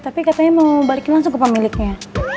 tapi katanya mau balikin langsung ke pemiliknya